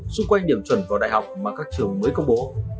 xung quanh điểm chuẩn vào đại học mà các trường mới công bố